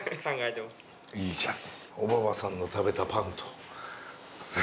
いいじゃん。